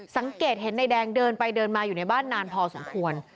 สังเกตเห็นนายแดงเดินไปเดินมาอยู่ในบ้านนานพอสมควร